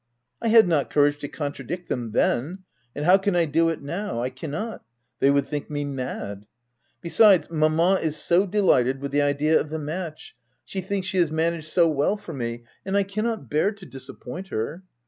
I had not courage to contradict them then, and how can I do it now ? I cannot : they would think me mad. Besides, mamma is so delighted with the idea of OF WILDFELL HALL. Ill the match; she thinks she has managed so well for me ; and I cannot bear to disappoint her.